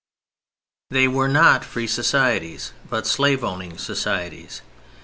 They were not free societies, but slave owning societies.